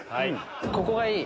ここがいい。